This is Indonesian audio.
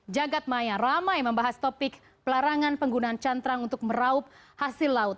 jagadmaya ramai membahas topik pelarangan penggunaan cantrang untuk meraup hasil laut